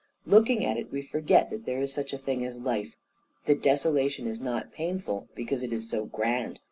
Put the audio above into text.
Looking at it we forget that there is such a thing as life: the desolation is not painful, because it is so grand.